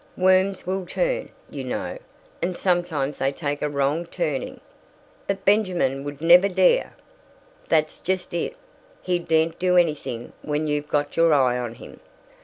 Worms will turn, you know, and sometimes they take a wrong turning." "But Benjamin would never dare " "That's just it. He daren't do anything when you've got your eye on him.